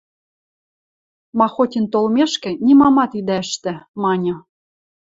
– Махотин толмешкӹ, нимамат идӓ ӹштӹ, – маньы.